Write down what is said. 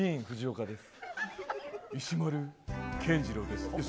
石丸謙二郎です。